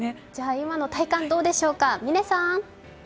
今の体感どうでしょうか？